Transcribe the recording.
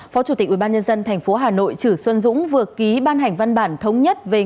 phó chủ tịch ubnd tp hà nội trữ xuân dũng vừa ký ban hành văn bản thống nhất về nguyên liệu